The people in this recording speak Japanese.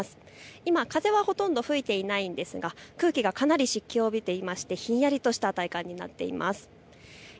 今、風はほとんど吹いていないんですが空気がかなり湿気を帯びていましてひんやりとした体感になっています。